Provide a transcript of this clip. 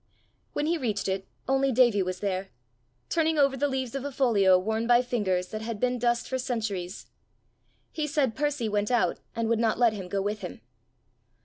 When he reached it, only Davie was there, turning over the leaves of a folio worn by fingers that had been dust for centuries. He said Percy went out, and would not let him go with him.